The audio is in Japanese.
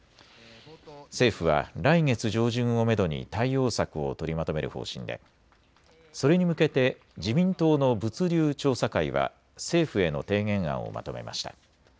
政府は来月上旬をめどに対応策を取りまとめる方針でそれに向けて自民党の物流調査会は政府への提言案をまとめました。